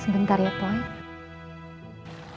sebentar ya boy